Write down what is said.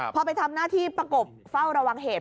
พอไปทำหน้าที่ประกบเฝ้าระวังเหตุ